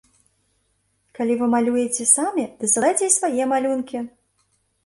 Калі вы малюеце самі, дасылайце і свае малюнкі!